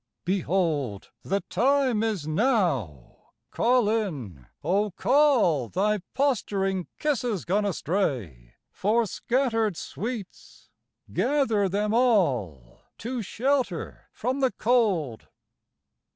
Behold, The time is now! Call in, O call Thy posturing kisses gone astray For scattered sweets. Gather them all To shelter from the cold.